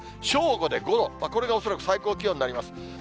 正午で５度、これが恐らく最高気温になります。